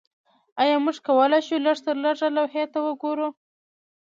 ایا موږ کولی شو لږترلږه لوحې ته وګورو